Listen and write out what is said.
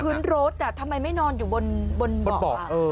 พื้นรถทำไมไม่นอนอยู่บนเบาะ